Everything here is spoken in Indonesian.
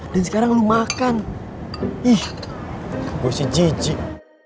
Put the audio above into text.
dan sekarang lo makan ih gue sih jijik